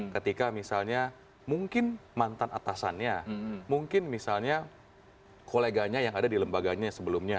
ketika misalnya mungkin mantan atasannya mungkin misalnya koleganya yang ada di lembaganya sebelumnya